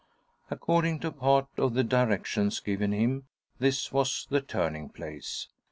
According to part of the directions given him, this was the turning place.